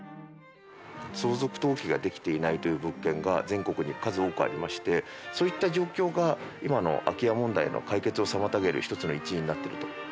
相続登記ができていないという物件が全国に数多くありましてそういった状況が今の空き家問題の解決を妨げる１つの一因になっていると。